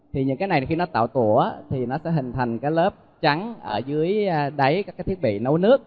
thì những cái này khi nó tạo tủa thì nó sẽ hình thành cái lớp trắng ở dưới đáy các cái thiết bị nấu nước